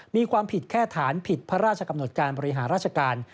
มีความผิดแค่ฐานผิดพระราชกำหนดการบริหารราชการ